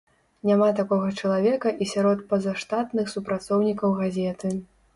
Няма такога чалавека і сярод пазаштатных супрацоўнікаў газеты.